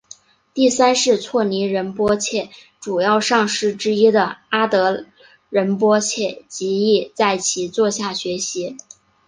第三世措尼仁波切主要上师之一的阿德仁波切及亦在其座下学习。